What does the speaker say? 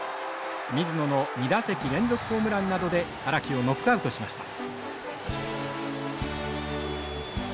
水野の２打席連続ホームランなどで荒木をノックアウトしました。